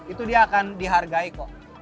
itu dia akan dihargai kok